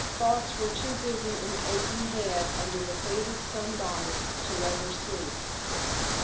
Thoughts were too busy in the aching head under the faded sunbonnet to let her sleep.